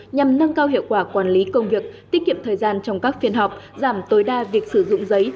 nhằm nâng cao hiệu quả quản lý công việc tiết kiệm thời gian trong các phiên họp giảm tối đa việc sử dụng giấy